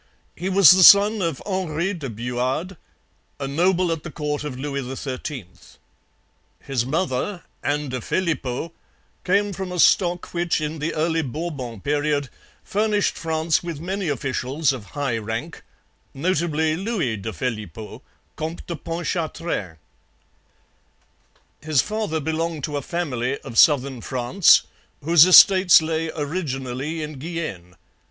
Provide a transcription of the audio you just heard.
He was the son of Henri de Buade, a noble at the court of Louis XIII. His mother, Anne de Phelippeaux, came from a stock which in the early Bourbon period furnished France with many officials of high rank, notably Louis de Phelippeaux, Comte de Pontchartrain. His father belonged to a family of southern France whose estates lay originally in Guienne.